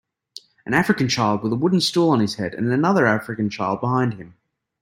An African child with a wooden stool on his head, and another African child behind him